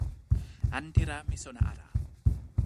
ante la mi sona ala.